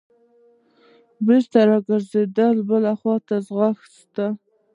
بېرته راګرځېده بلې خوا ته ځغسته.